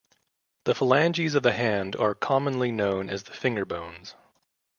The phalanges of the hand are commonly known as the finger bones.